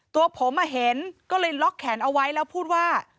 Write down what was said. ตัวผมเห็นก็เลยล็อกแขนเอาไว้แล้วพูดว่า